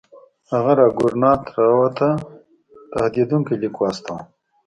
هغه راګونات راو ته تهدیدونکی لیک واستاوه.